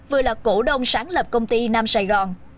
vừa là cổ đông sáng lập công ty nam sài gòn